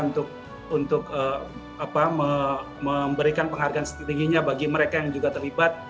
untuk memberikan penghargaan setingginya bagi mereka yang juga terlibat